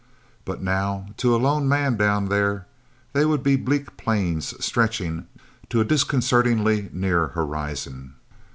But now, to a lone man down there, they would be bleak plains stretching to a disconcertingly near horizon.